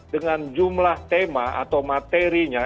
dengan jumlah tema atau materinya